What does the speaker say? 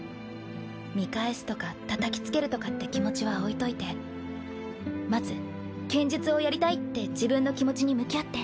見返すとかたたきつけるとかって気持ちは置いといてまず剣術をやりたいって自分の気持ちに向き合って。